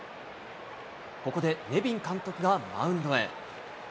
ここでネビン監督がマウンドへ。